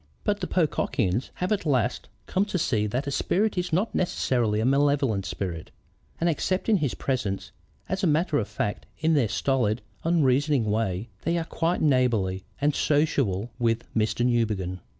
"But the Pocockians have at last come to see that a spirit is not necessarily a malevolent spirit, and accepting his presence as a fact in their stolid, unreasoning way, they are quite neighborly and sociable with Mr. Newbegin.